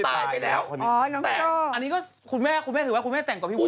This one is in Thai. อันนี้มีพูดถึงว่าคุณแม่แต่งกับผู้ดี